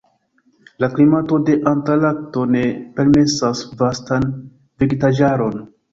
La klimato de Antarkto ne permesas vastan vegetaĵaron.